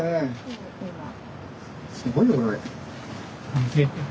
すごいよこれ。